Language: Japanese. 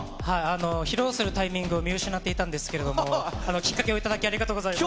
披露するタイミングを見失っていたんですけれども、きっかけを頂き、ありがとうございます。